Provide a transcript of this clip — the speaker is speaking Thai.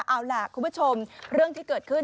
เอาล่ะคุณผู้ชมเรื่องที่เกิดขึ้น